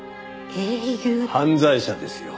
犯罪者ですよ。